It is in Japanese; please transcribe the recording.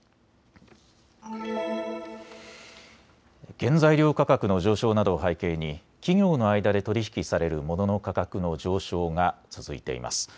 原材料価格の上昇などを背景に企業の間で取り引きされるモノの価格の上昇が続いています。